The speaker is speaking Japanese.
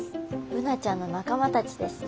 ブナちゃんの仲間たちですね。